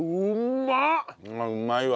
うまいわ。